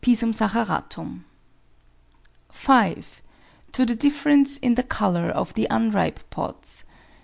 saccharatum) . 5. To the difference in the colour of the unripe pods.